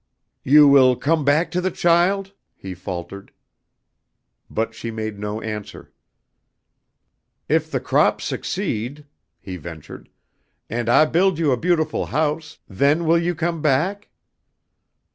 "You will come back to the child?" he faltered. But she made no answer. "If the crops succeed," he ventured, "and I build you a beautiful house, then will you come back?"